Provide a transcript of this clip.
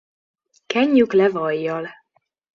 Kenjük le vajjal.